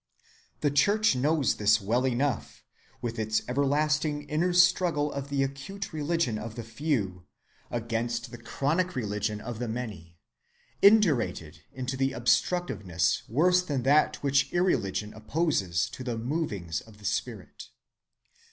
The church knows this well enough, with its everlasting inner struggle of the acute religion of the few against the chronic religion of the many, indurated into an obstructiveness worse than that which irreligion opposes to the movings of the Spirit.